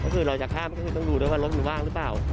ก็คือเราจะข้ามก็คือต้องดูด้วยว่ารถมันว่างหรือเปล่า